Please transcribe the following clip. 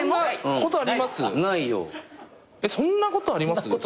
えっそんなことあります？